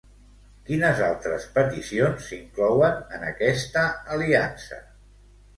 Quines altres peticions s'inclouen en aquesta aliança?